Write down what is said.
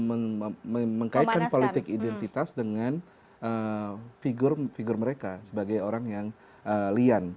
mereka mengkaitkan politik identitas dengan figur figur mereka sebagai orang yang lian